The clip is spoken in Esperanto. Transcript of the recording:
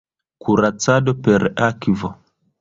Kuracado per akvo.